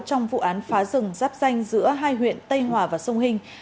trong vụ án phá rừng giáp danh giữa hai huyện tây hòa và sông hình